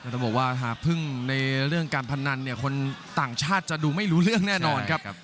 ต้องบอกว่าหากพึ่งในเรื่องการพนันเนี่ยคนต่างชาติจะดูไม่รู้เรื่องแน่นอนครับ